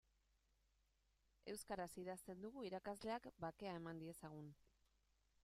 Euskaraz idazten dugu irakasleak bakea eman diezagun.